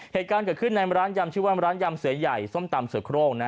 เหตุการณ์เกิดขึ้นในร้านยำชื่อว่าร้านยำเสือใหญ่ส้มตำเสือโครง